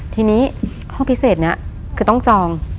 ทีนี้ห้องพิเศษนี้คือต้องจอง